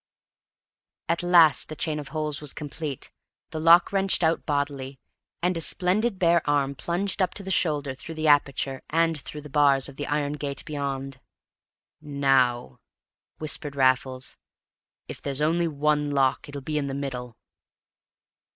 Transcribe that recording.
At last the chain of holes was complete, the lock wrenched out bodily, and a splendid bare arm plunged up to the shoulder through the aperture, and through the bars of the iron gate beyond. "Now," whispered Raffles, "if there's only one lock it'll be in the middle.